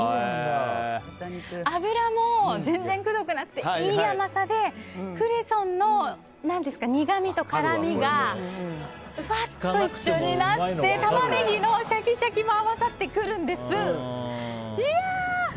脂も全然くどくなくていい甘さでクレソンの苦みと辛みがふわっと一緒になってタマネギのシャキシャキも合わさってくるんです。